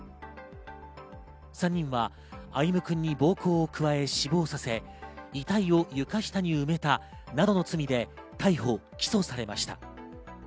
３人は歩夢くんに暴行を加え死亡させ、遺体を床下に埋めたなどの罪で逮捕・起訴されました。